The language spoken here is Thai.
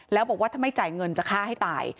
แล้วบอกว่าถ้าไม่จ่ายเงินจะฆ่าให้ตาย